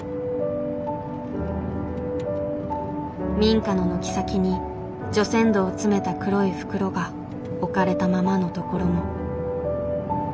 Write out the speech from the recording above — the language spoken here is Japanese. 民家の軒先に除染土を詰めた黒い袋が置かれたままのところも。